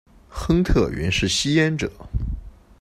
亨特原是吸烟者。